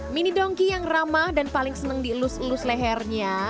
mini donki yang ramah dan paling senang dielus elus lehernya